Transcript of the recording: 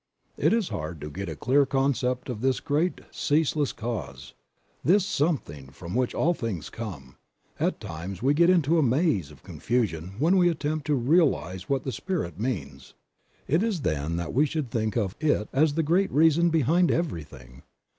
It is hard to get a clear concept of this great Ceaseless Cause, this something from which all things come ; at times we get into a maze of confusion when we attempt to realize what the Spirit means. It is then that we should think of It as the great reason behind everything.